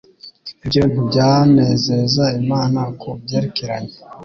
Ibyo ntibyanezeza Imana. Ku byerekeranye